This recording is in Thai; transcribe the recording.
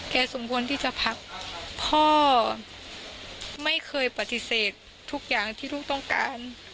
สมควรที่จะพักพ่อไม่เคยปฏิเสธทุกอย่างที่ลูกต้องการ